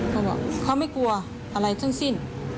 เค้าบอกว่าเค้าไม่กลัวอะไรทั้งสิ้น